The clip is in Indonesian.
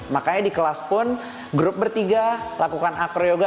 jadi setiap kelas grup bertiga melakukan acroyoga